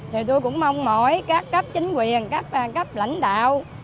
thì tôi cũng mong mỏi các cấp chính quyền các cấp lãnh đạo